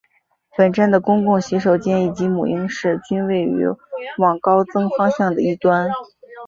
本站的公共洗手间以及母婴室均设于往高增方向的一端。